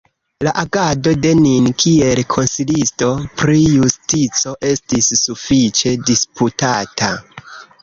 La agado de Nin kiel Konsilisto pri Justico estis sufiĉe disputata.